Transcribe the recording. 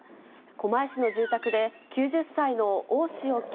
狛江市の住宅で、９０歳の大塩衣